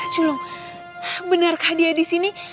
julung benarkah dia disini